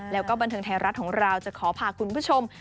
แล้วก็บันเทิงไทยรัฐของเราจะขอพาคุณผู้ชม